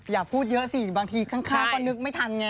อย่าพูดเยอะสิบางทีข้างก็นึกไม่ทันไง